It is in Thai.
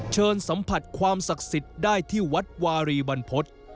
สัมผัสความศักดิ์สิทธิ์ได้ที่วัดวารีบรรพฤษ